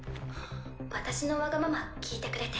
私のわがまま聞いてくれて。